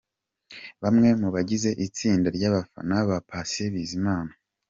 Bamwe mu bagize itsinda ry'abafana ba Patient Bizimana.